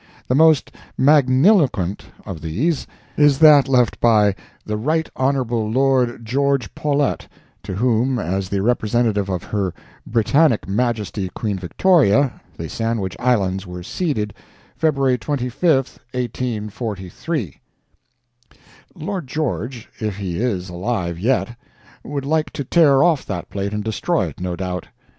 The most magniloquent of these is that left by "the Right Hon. Lord George Paulet, to whom, as the representative of Her Britannic Majesty Queen Victoria, the Sandwich Islands were ceded, February 25, 1843." Lord George, if he is alive yet, would like to tear off that plate and destroy it, no doubt.